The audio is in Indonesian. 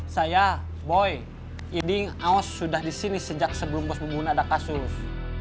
saya boy yeding aus sudah disini sejak sebelum bos bungun ada kasus